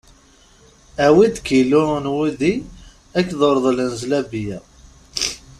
Awi-d kilu n wudi akked urḍel n zlabiyya.